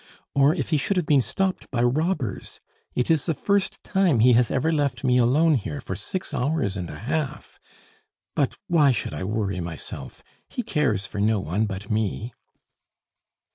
Or if he should have been stopped by robbers! It is the first time he has ever left me alone here for six hours and a half! But why should I worry myself? He cares for no one but me."